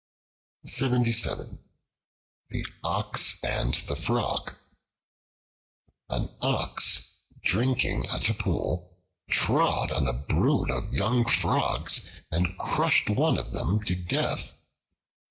The Ox and the Frog AN OX drinking at a pool trod on a brood of young frogs and crushed one of them to death.